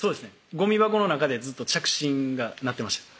ごみ箱の中でずっと着信が鳴ってました